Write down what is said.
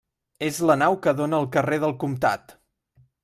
És la nau que dóna al carrer del Comtat.